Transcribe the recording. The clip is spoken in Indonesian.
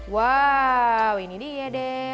wow ini dia deh